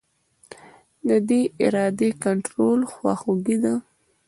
د دې ارادې کنټرول خواخوږي ده.